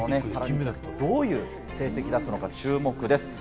どういう成績を出すのか注目です。